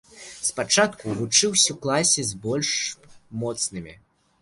Спачатку вучыўся ў класе з больш моцнымі.